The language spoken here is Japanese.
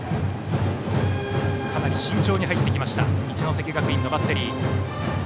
かなり慎重に入ってきました一関学院のバッテリー。